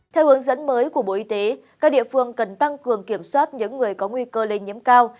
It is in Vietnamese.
theo hướng dẫn mới của bộ y tế các địa phương cần tăng cường kiểm soát những người có nguy cơ lây nhiễm cao